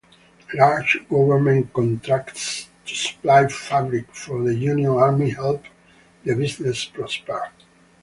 Large government contracts to supply fabric for the Union Army helped the business prosper.